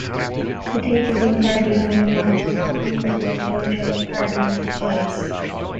The tape has been parodied many times, often used in conjunction when parodying Welles.